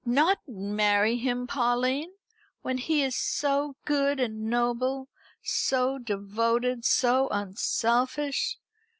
"Not marry him, Pauline, when he is so good and noble, so devoted, so unselfish!"